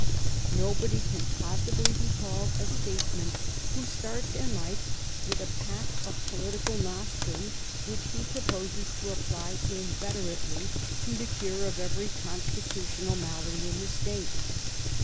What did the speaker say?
Nobody can possibly be called a statesman who starts in life with a pack of political nostrums which he proposes to apply inveterately to the cure of every constitutional malady in the B I 2 THE STORY OF GLADSTONE'S LIFE State.